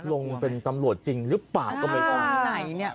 ลงเป็นตำรวจจริงหรือเปล่าก็ไม่ทราบ